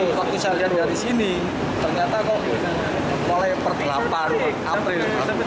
jadi waktu saya lihat dari sini ternyata kok mulai pergelapan april